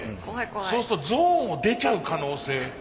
そうするとゾーンを出ちゃう可能性。